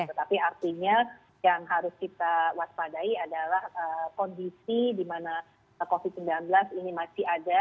tetapi artinya yang harus kita waspadai adalah kondisi di mana covid sembilan belas ini masih ada